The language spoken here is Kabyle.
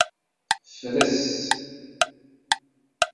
Fres.